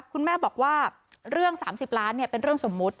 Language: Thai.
คุณแม่บอกว่าเรื่อง๓๐ล้านเป็นเรื่องสมมุติ